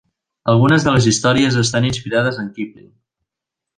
Algunes de les històries estan inspirades en Kipling.